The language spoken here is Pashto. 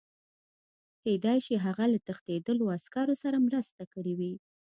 کېدای شي هغه له تښتېدلو عسکرو سره مرسته کړې وي